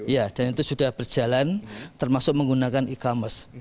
ya dan itu sudah berjalan termasuk menggunakan e commerce